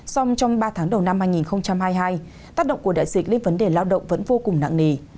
song trong ba tháng đầu năm hai nghìn hai mươi hai tác động của đại dịch lên vấn đề lao động vẫn vô cùng nặng nề